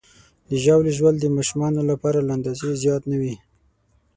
د ژاولې ژوول د ماشومانو لپاره له اندازې زیات نه وي.